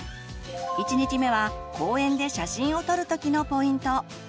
１日目は公園で写真を撮る時のポイント。